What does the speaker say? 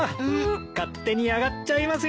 勝手に上がっちゃいますよ。